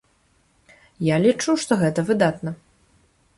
Я лічу, што гэта выдатна.